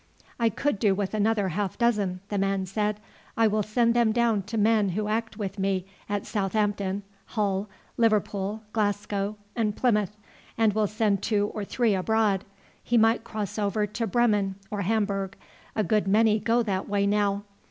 "I could do with another half dozen," the man said. "I will send them down to men who act with me at Southampton, Hull, Liverpool, Glasgow, and Plymouth, and will send two or three abroad. He might cross over to Bremen or Hamburg, a good many go that way now.